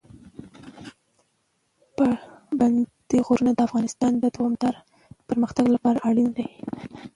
پابندي غرونه د افغانستان د دوامداره پرمختګ لپاره اړین دي.